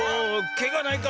けがないか？